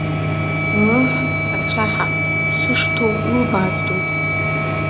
Ыых, ацәаҳа, уԥсы шҭоу улбааздоит!